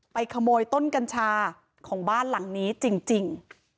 ขโมยต้นกัญชาของบ้านหลังนี้จริง